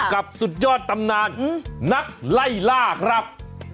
สุดยอดตำนานนักไล่ลากครับ